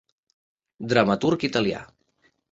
Dramaturg italià.